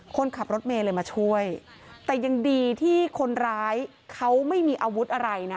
คนขับรถเมย์เลยมาช่วยแต่ยังดีที่คนร้ายเขาไม่มีอาวุธอะไรนะ